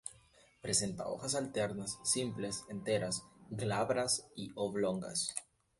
Presenta hojas alternas, simples, enteras, glabras y oblongas.